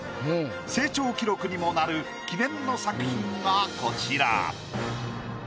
成長記録にもなる記念の作品がこちら。